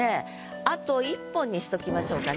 「あと一本」にしときましょうかね。